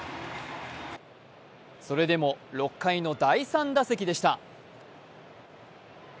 それでも６回の第３打席でした。